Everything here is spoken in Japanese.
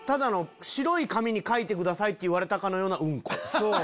白い紙に描いてくださいって言われたかのようなうんこ。